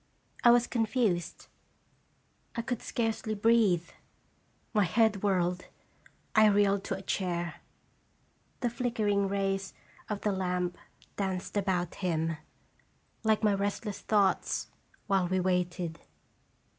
1 was confused. I could scarcely breathe. My head whirled. I reeled to a chair. The flickering rays of the lamp danced about him, like my restless thoughts, while we waited.